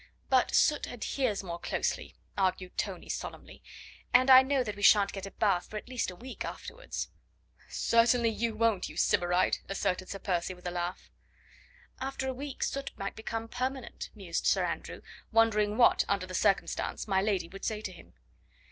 "But soot adheres more closely," argued Tony solemnly, "and I know that we shan't get a bath for at least a week afterwards." "Certainly you won't, you sybarite!" asserted Sir Percy with a laugh. "After a week soot might become permanent," mused Sir Andrew, wondering what, under the circumstance, my lady would say to him.